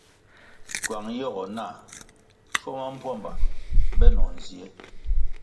Kywang yogo nah schuo ma mbpuama benoh nzie.